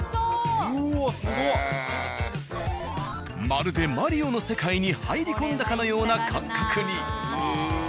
まるでマリオの世界に入り込んだかのような感覚に。